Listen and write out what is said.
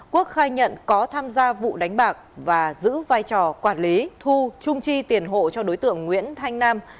quốc khai nhận có tham gia vụ đánh bạc và giữ vai trò quản lý thu trung tri tiền hộ cho đối tượng nguyễn thanh nam